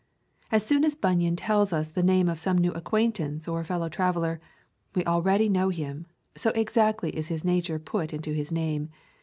As soon as Bunyan tells us the name of some new acquaintance or fellow traveller, we already know him, so exactly is his nature put into his name.